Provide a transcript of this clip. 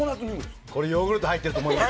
これヨーグルト入っていると思います。